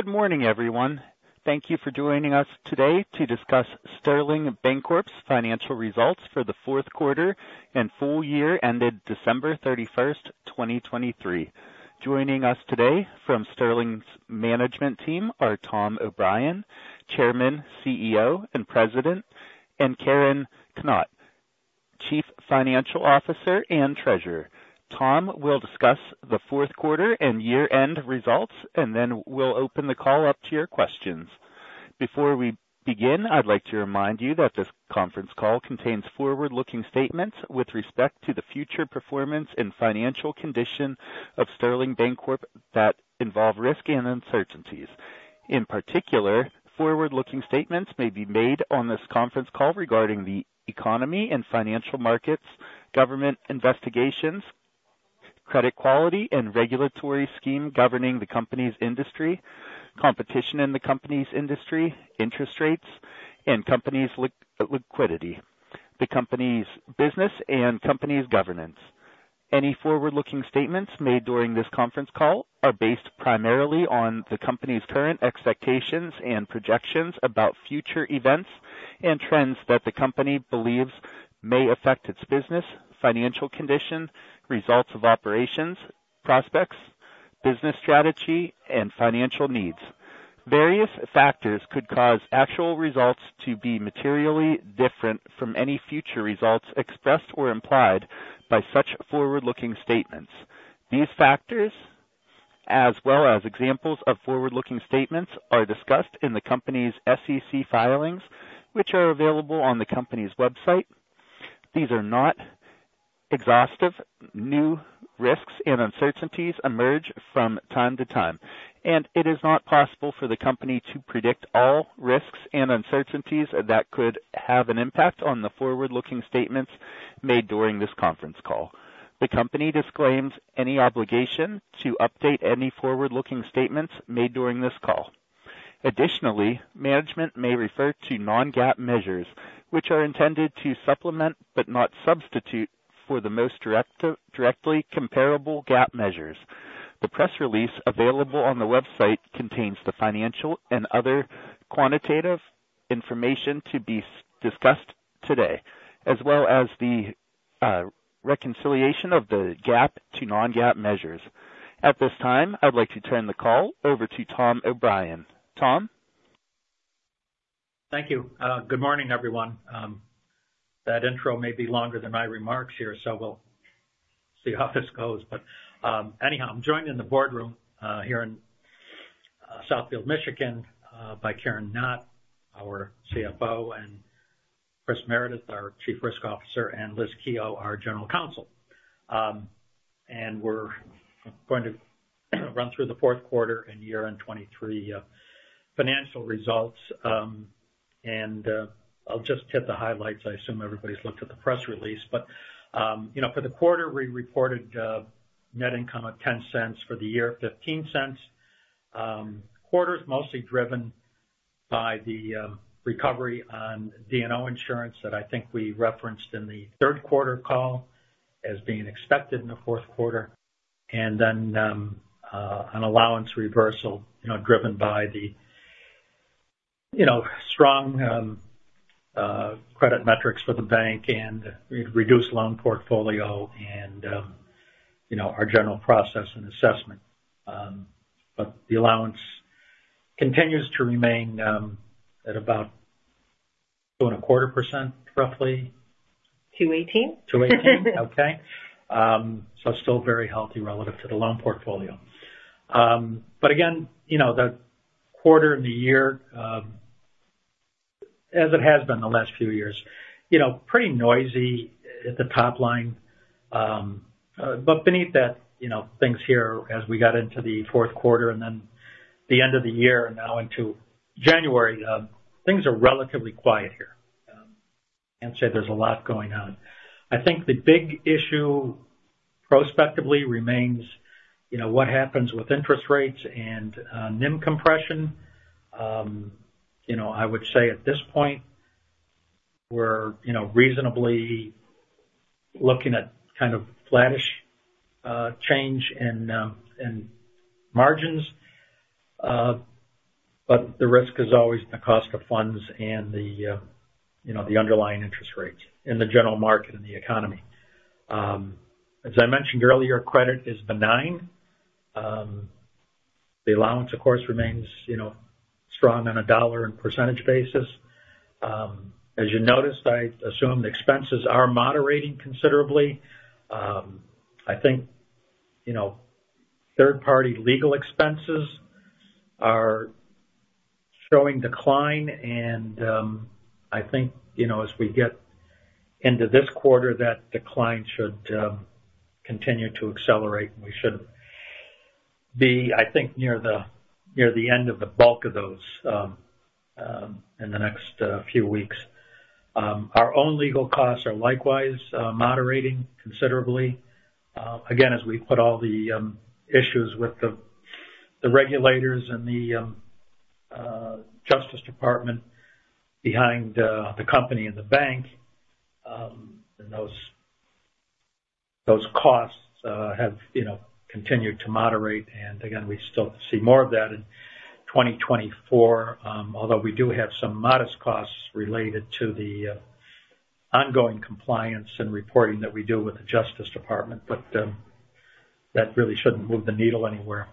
Good morning, everyone. Thank you for joining us today to discuss Sterling Bancorp's financial results for the fourth quarter and full year ended December 31st, 2023. Joining us today from Sterling's management team are Tom O'Brien, Chairman, CEO, and President, and Karen Knott, Chief Financial Officer and Treasurer. Tom will discuss the fourth quarter and year-end results, and then we'll open the call up to your questions. Before we begin, I'd like to remind you that this conference call contains forward-looking statements with respect to the future performance and financial condition of Sterling Bancorp that involve risk and uncertainties. In particular, forward-looking statements may be made on this conference call regarding the economy and financial markets, government investigations, credit quality and regulatory regime governing the company's industry, competition in the company's industry, interest rates and company's liquidity, the company's business and company's governance. Any forward-looking statements made during this conference call are based primarily on the company's current expectations and projections about future events and trends that the company believes may affect its business, financial condition, results of operations, prospects, business strategy, and financial needs. Various factors could cause actual results to be materially different from any future results expressed or implied by such forward-looking statements. These factors, as well as examples of forward-looking statements, are discussed in the company's SEC filings, which are available on the company's website. These are not exhaustive. New risks and uncertainties emerge from time to time, and it is not possible for the company to predict all risks and uncertainties that could have an impact on the forward-looking statements made during this conference call. The company disclaims any obligation to update any forward-looking statements made during this call. Additionally, management may refer to non-GAAP measures, which are intended to supplement, but not substitute for, the most directly comparable GAAP measures. The press release available on the website contains the financial and other quantitative information to be discussed today, as well as the reconciliation of the GAAP to non-GAAP measures. At this time, I'd like to turn the call over to Tom O'Brien. Tom? Thank you. Good morning, everyone. That intro may be longer than my remarks here, so we'll see how this goes. But, anyhow, I'm joined in the boardroom here in Southfield, Michigan, by Karen Knott, our CFO, and Chris Meredith, our Chief Risk Officer, and Liz Keogh, our General Counsel. And we're going to run through the fourth quarter and year-end 2023 financial results. And I'll just hit the highlights. I assume everybody's looked at the press release, but, you know, for the quarter, we reported net income of $0.10 for the year, $0.15. Quarter is mostly driven by the recovery on D&O insurance that I think we referenced in the third quarter call as being expected in the fourth quarter, and then an allowance reversal, you know, driven by the you know, strong credit metrics for the bank and reduced loan portfolio and you know, our general process and assessment. But the allowance continues to remain at about 2.25%, roughly? 2.18%? 2.18%. Okay. So still very healthy relative to the loan portfolio. But again, you know, the quarter and the year, as it has been the last few years, you know, pretty noisy at the top line. But beneath that, you know, things here as we got into the fourth quarter and then the end of the year and now into January, things are relatively quiet here. Can't say there's a lot going on. I think the big issue prospectively remains, you know, what happens with interest rates and NIM compression. You know, I would say at this point, we're, you know, reasonably looking at kind of flattish change in margins. But the risk is always the cost of funds and the, you know, the underlying interest rates in the general market and the economy. As I mentioned earlier, credit is benign. The allowance, of course, remains, you know, strong on a dollar and percentage basis. As you noticed, I assume the expenses are moderating considerably. I think, you know, third-party legal expenses are showing decline and, I think, you know, as we get into this quarter, that decline should continue to accelerate, and we should be, I think, near the end of the bulk of those in the next few weeks. Our own legal costs are likewise moderating considerably. Again, as we put all the issues with the regulators and the Justice Department behind the company and the bank, and those costs have, you know, continued to moderate. And again, we still see more of that in 2024. Although we do have some modest costs related to the ongoing compliance and reporting that we do with the Justice Department, but that really shouldn't move the needle anywhere.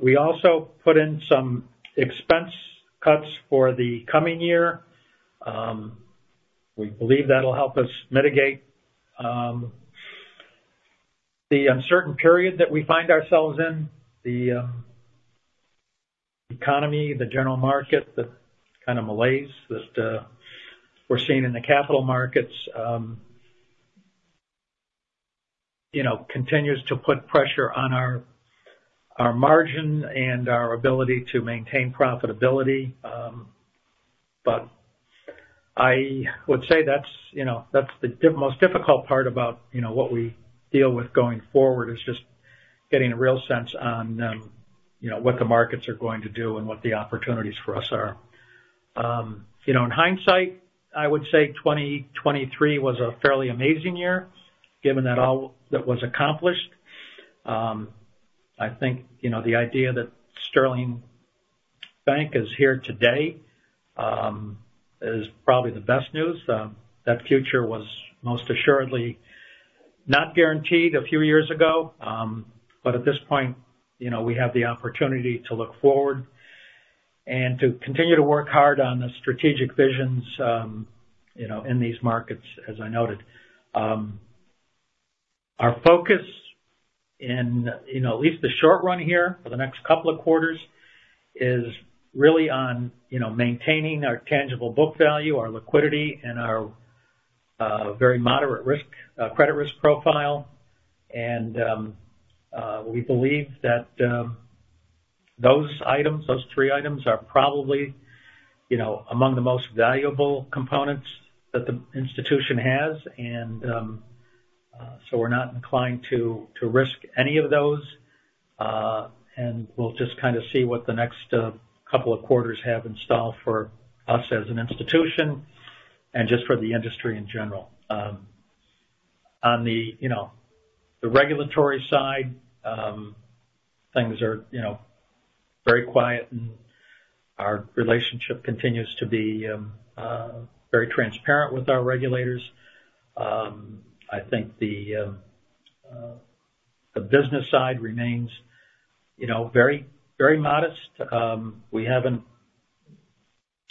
We also put in some expense cuts for the coming year. We believe that'll help us mitigate the uncertain period that we find ourselves in. The economy, the general market, the kind of malaise that we're seeing in the capital markets, you know, continues to put pressure on our margin and our ability to maintain profitability. But I would say that's, you know, that's the most difficult part about, you know, what we deal with going forward, is just getting a real sense on, you know, what the markets are going to do and what the opportunities for us are. You know, in hindsight, I would say 2023 was a fairly amazing year, given that all that was accomplished. I think, you know, the idea that Sterling Bank is here today is probably the best news. That future was most assuredly not guaranteed a few years ago. But at this point, you know, we have the opportunity to look forward and to continue to work hard on the strategic visions, you know, in these markets, as I noted. Our focus in, you know, at least the short run here for the next couple of quarters, is really on, you know, maintaining our tangible book value, our liquidity, and our, very moderate risk, credit risk profile. And, we believe that, those items, those three items are probably, you know, among the most valuable components that the institution has. And, so we're not inclined to, to risk any of those. And we'll just kind of see what the next couple of quarters have in store for us as an institution and just for the industry in general. On the, you know, regulatory side, things are, you know, very quiet, and our relationship continues to be very transparent with our regulators. I think the business side remains, you know, very, very modest. We haven't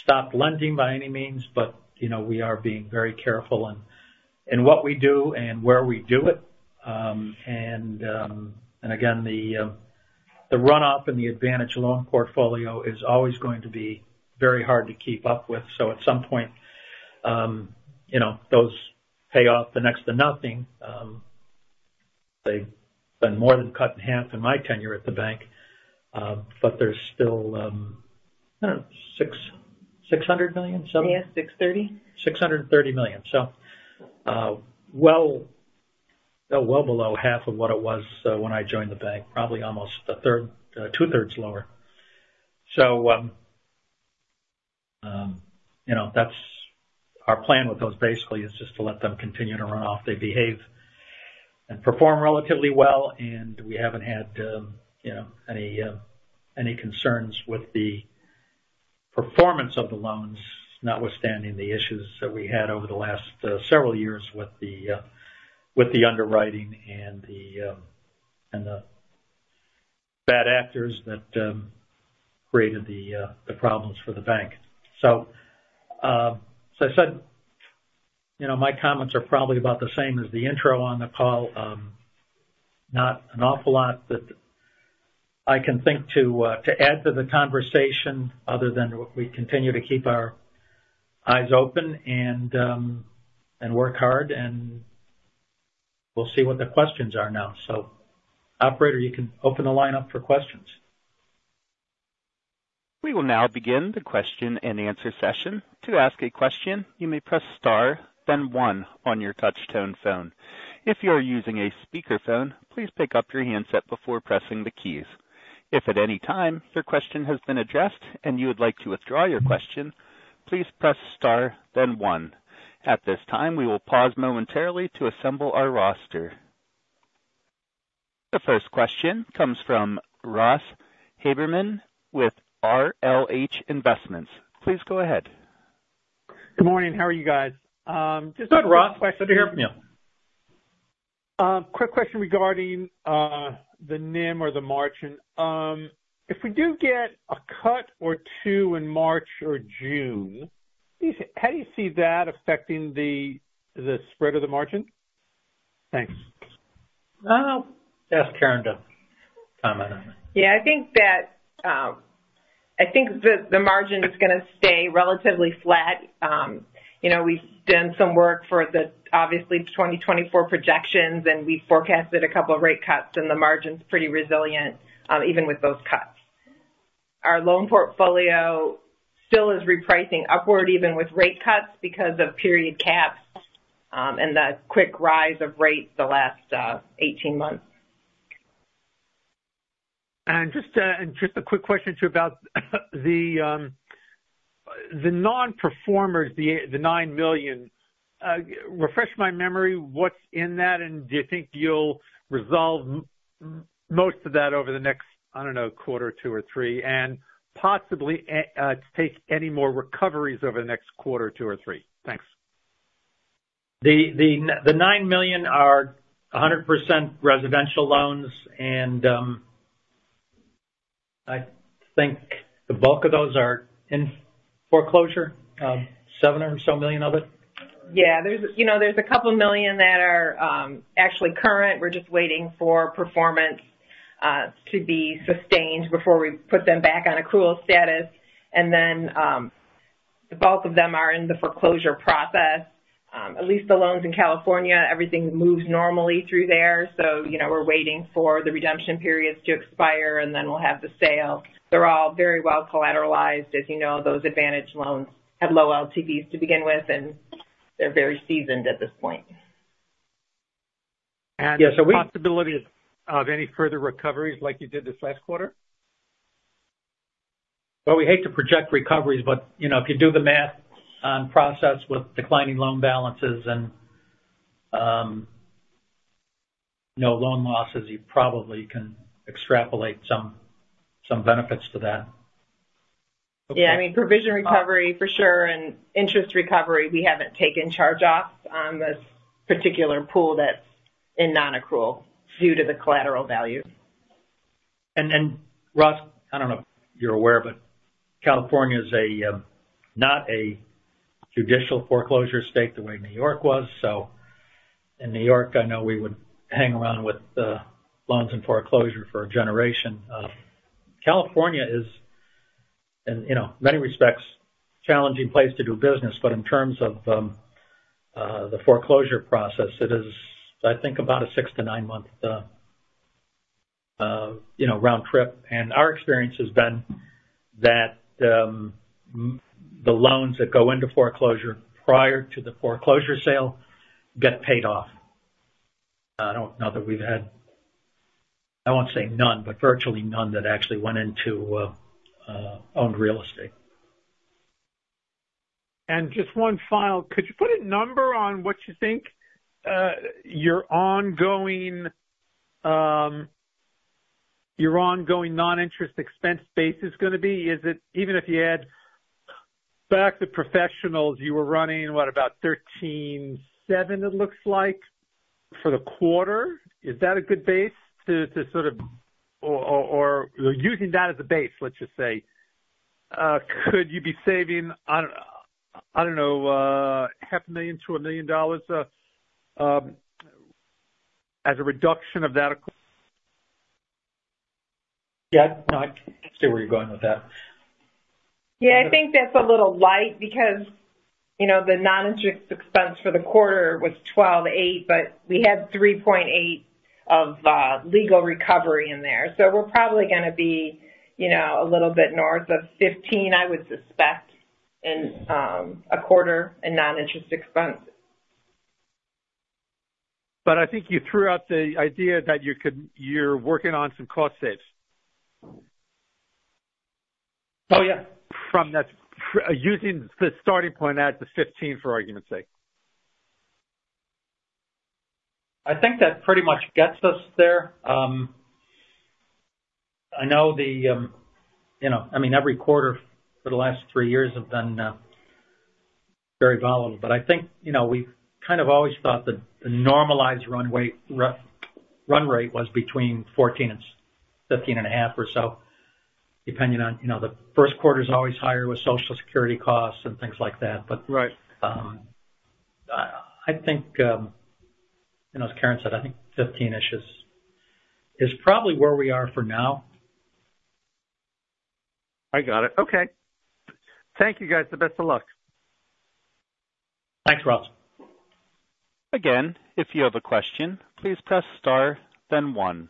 stopped lending by any means, but, you know, we are being very careful in what we do and where we do it. And again, the runoff in the Advantage Loan portfolio is always going to be very hard to keep up with. So at some point, you know, those pay off next to nothing. They've been more than cut in half in my tenure at the bank. But there's still, I don't know, $600 million? Yeah, $630 million. $630 million. So, well, well below half of what it was, when I joined the bank, probably almost a third, 2/3 lower. So, you know, that's our plan with those basically, is just to let them continue to run off. They behave and perform relatively well, and we haven't had, you know, any, any concerns with the performance of the loans, notwithstanding the issues that we had over the last, several years with the, with the underwriting and the, and the bad actors that, created the, the problems for the bank. So, as I said, you know, my comments are probably about the same as the intro on the call. Not an awful lot that I can think to add to the conversation, other than we continue to keep our eyes open and and work hard, and we'll see what the questions are now. So, operator, you can open the line up for questions? We will now begin the question-and-answer session. To ask a question, you may press star, then one on your touchtone phone. If you are using a speakerphone, please pick up your handset before pressing the keys. If at any time your question has been addressed and you would like to withdraw your question, please press star, then one. At this time, we will pause momentarily to assemble our roster. The first question comes from Ross Haberman with RLH Investments. Please go ahead. Good morning. How are you guys? Good, Ross. Good to hear from you. Quick question regarding the NIM or the margin. If we do get a cut or two in March or June, how do you see that affecting the spread of the margin? Thanks. I'll ask Karen to comment on that. Yeah, I think that, I think that the margin is gonna stay relatively flat. You know, we've done some work for the, obviously, 2024 projections, and we forecasted a couple of rate cuts, and the margin's pretty resilient, even with those cuts. Our loan portfolio still is repricing upward, even with rate cuts, because of period caps, and the quick rise of rates the last 18 months. Just a quick question to you about the non-performers, the $9 million. Refresh my memory, what's in that? And do you think you'll resolve most of that over the next, I don't know, quarter, two or three, and possibly take any more recoveries over the next quarter, two or three? Thanks. The $9 million are 100% residential loans, and I think the bulk of those are in foreclosure, $7 million or so of it. Yeah, there's, you know, there's a couple million that are actually current. We're just waiting for performance to be sustained before we put them back on accrual status. And then the bulk of them are in the foreclosure process. At least the loans in California, everything moves normally through there. So, you know, we're waiting for the redemption periods to expire, and then we'll have the sale. They're all very well collateralized. As you know, those Advantage Loans have low LTVs to begin with, and they're very seasoned at this point. And- Yeah, so possibility of any further recoveries like you did this last quarter? Well, we hate to project recoveries, but, you know, if you do the math on process with declining loan balances and, no loan losses, you probably can extrapolate some, some benefits to that. Yeah, I mean, provision recovery for sure, and interest recovery, we haven't taken charge-offs on this particular pool that's in non-accrual due to the collateral value. Then, Ross, I don't know if you're aware, but California is a not a judicial foreclosure state the way New York was. So in New York, I know we would hang around with loans and foreclosure for a generation. California is, and you know, in many respects, challenging place to do business. But in terms of the foreclosure process, it is, I think, about a 6-9 month round trip. And our experience has been that the loans that go into foreclosure prior to the foreclosure sale get paid off. I don't know that we've had... I won't say none, but virtually none that actually went into owned real estate. Just one final. Could you put a number on what you think your ongoing noninterest expense base is going to be? Is it, even if you add back the professionals you were running, what about $13.7 million, it looks like, for the quarter? Is that a good base to sort of, or using that as a base, let's just say, could you be saving, I don't know, $0.5 million-$1 million as a reduction of that? Yeah. No, I see where you're going with that. Yeah, I think that's a little light because, you know, the non-interest expense for the quarter was $12.8, but we had $3.8 of legal recovery in there. So we're probably going to be, you know, a little bit north of $15, I would suspect, in a quarter in non-interest expense. But I think you threw out the idea that you could - you're working on some cost saves. Oh, yeah. From that, using the starting point at the $15, for argument's sake. I think that pretty much gets us there. I know the, you know, I mean, every quarter for the last three years have been very volatile. But I think, you know, we've kind of always thought that the normalized runway, run rate was between $14 and $15.5 or so, depending on, you know, the first quarter is always higher with Social Security costs and things like that, but- Right. I think, you know, as Karen said, I think $15-ish is probably where we are for now. I got it. Okay. Thank you, guys. The best of luck. Thanks, Ross. Again, if you have a question, please press star then one.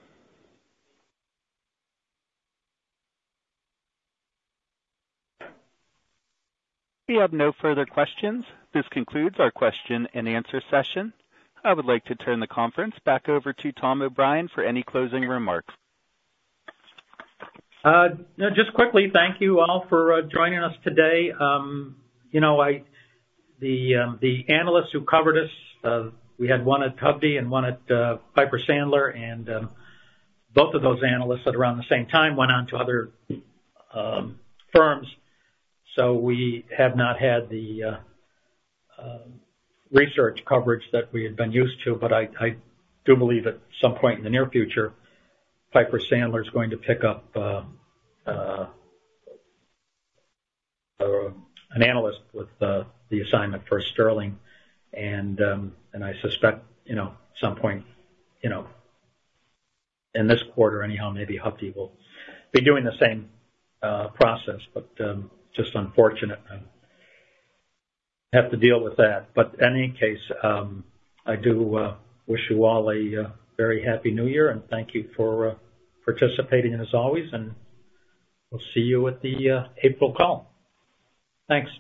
We have no further questions. This concludes our question and answer session. I would like to turn the conference back over to Tom O'Brien for any closing remarks. Just quickly, thank you all for joining us today. You know, the analysts who covered us, we had one at Hovde and one at Piper Sandler, and both of those analysts at around the same time went on to other firms. So we have not had the research coverage that we had been used to, but I do believe at some point in the near future, Piper Sandler is going to pick up an analyst with the assignment for Sterling. And I suspect, you know, at some point, you know, in this quarter, anyhow, maybe Hovde will be doing the same process. But just unfortunate I have to deal with that. But in any case, I do wish you all a very happy New Year, and thank you for participating as always, and we'll see you at the April call. Thanks.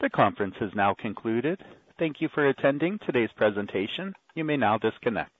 The conference is now concluded. Thank you for attending today's presentation. You may now disconnect.